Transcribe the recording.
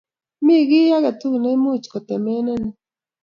Mami kiy ake tukul ne imuch kotemenen